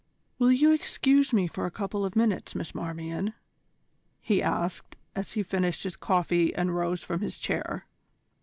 "Will you excuse me for a couple of minutes, Miss Marmion?" he asked, as he finished his coffee and rose from his chair.